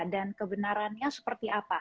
dan kebenarannya seperti apa